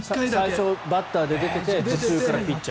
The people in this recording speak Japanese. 最初バッター出て途中からピッチャー。